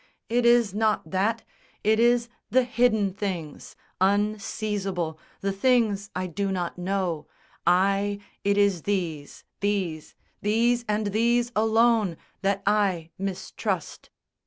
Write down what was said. It is not that! It is the hidden things, Unseizable, the things I do not know, Ay, it is these, these, these and these alone That I mistrust."